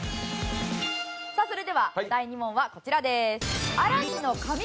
さあそれでは第２問はこちらです。